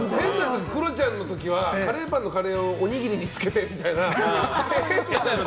クロちゃんの時はカレーパンのカレーをおにぎりにつけてみたいな。